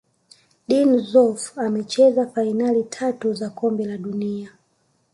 dino Zoff amecheza fainali tatu za kombe la dunia